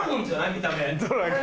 見た目。